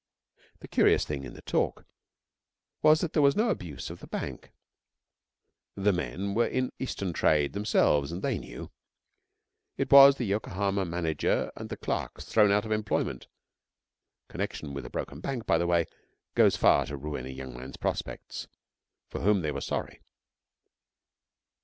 The curious thing in the talk was that there was no abuse of the bank. The men were in the Eastern trade themselves and they knew. It was the Yokohama manager and the clerks thrown out of employment (connection with a broken bank, by the way, goes far to ruin a young man's prospects) for whom they were sorry.